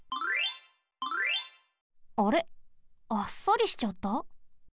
あれあっさりしちゃった？